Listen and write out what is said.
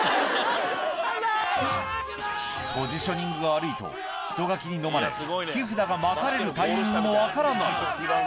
・ポジショニングが悪いと人垣にのまれ木札が撒かれるタイミングも分からない